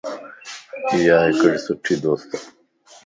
ايا ھڪڙي سٺي دوستَ